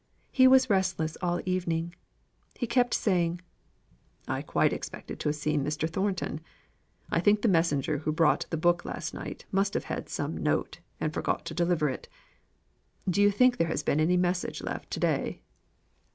He was restless all the evening. He kept saying, "I quite expected to have seen Mr. Thornton. I think the messenger who brought the book last night must have had some note, and forgot to deliver it. Do you think there has been any message left to day?"